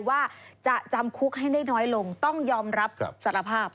ว่าจะจำคุกให้ได้น้อยลงต้องยอมรับสารภาพ